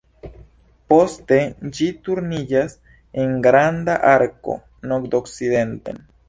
Poste ĝi turniĝas en granda arko nordokcidenten.